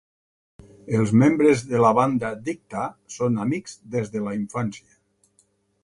El membres de la banda Dikta són amics des de la infància.